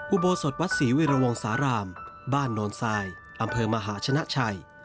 อุโบสถวัดศรีวิรวงสารามบ้านโนนทรายอำเภอมหาชนะชัย